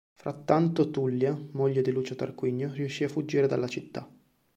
Frattanto, Tullia, moglie di Lucio Tarquinio riuscì a fuggire dalla città.